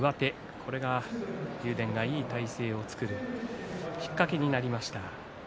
これが竜電がいい体勢を作るきっかけとなりました。